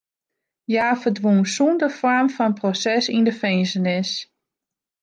Hja ferdwûn sûnder foarm fan proses yn de finzenis.